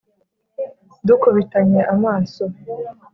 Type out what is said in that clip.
Dukubitanye amaso